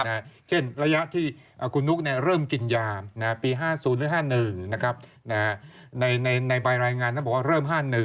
แรงคณะที่คุณนุ๊กเริ่มกินยาปี๕๐๕๑ในรายงานมันบอกว่าเริ่ม๕๑